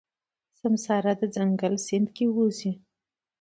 سمسيره د ځنګل سیند کې اوسي.